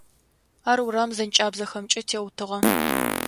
Ар урам зэнкӏабзэхэмкӏэ зэтеутыгъэ.